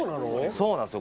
そうなんすよ